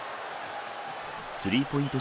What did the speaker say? スリーポイント